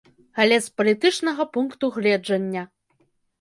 Але з палітычнага пункту гледжання.